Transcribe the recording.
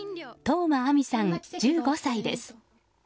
當真あみさん、１５歳です。